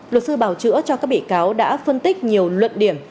luật sư bảo chữa cho các bị cáo đã phân tích nhiều luận điểm